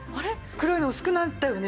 黒いの薄くなったよね。